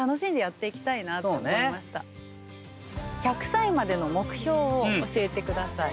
１００歳までの目標を教えてください。